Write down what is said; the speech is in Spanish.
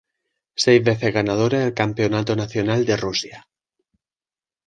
Seis veces ganadora del Campeonato Nacional de Rusia.